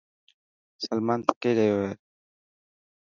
سلمان ٿڪي گيو هي.